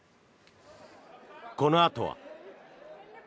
このあとは。